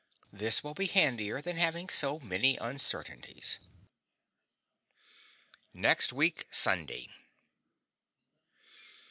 This will be handier than having so many uncertainties. NEXT WEEK SUNDAY.